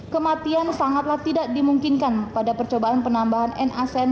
kematian sangatlah tidak dimungkinkan pada percobaan penambahan nacn